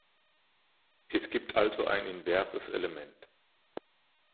Es gibt also ein inverses Element.